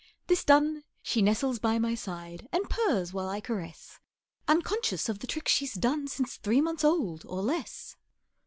This done, she nestles by my side, And purrs while I caress, Unconscious of the trick she's done, Since three months old or less.